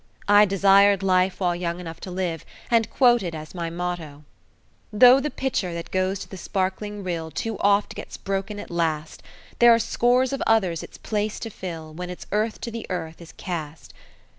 I desired life while young enough to live, and quoted as my motto: "Though the pitcher that goes to the sparkling rill Too oft gets broken at last, There are scores of others its place to fill When its earth to the earth is cast.